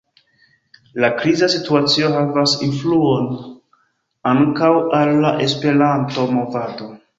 La kriza situacio havas influon ankaŭ al la Esperanto-movado.